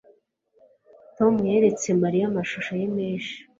Tom yeretse Mariya amashusho ye menshi